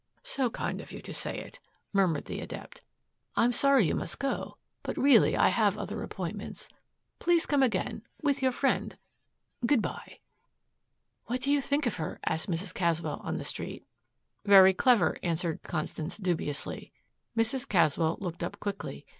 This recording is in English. "So kind of you to say it," murmured the Adept. "I'm sorry you must go, but really I have other appointments. Please come again with your friend. Good bye." "What do you think of her?" asked Mrs. Caswell on the street. "Very clever," answered Constance dubiously. Mrs. Caswell looked up quickly.